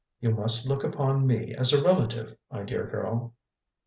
You must look upon me as a relative, my dear girl."